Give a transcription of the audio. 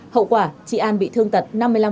hậu quả chị an bị thương tật năm mươi năm